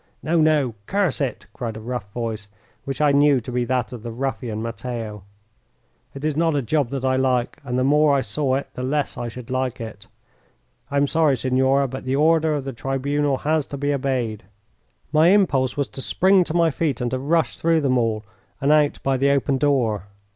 "No, no; curse it!" cried a rough voice, which I knew to be that of the ruffian, Matteo. "It is not a job that I like, and the more I saw it the less I should like it. I am sorry, signora, but the order of the tribunal has to be obeyed." My impulse was to spring to my feet and to rush through them all and out by the open door.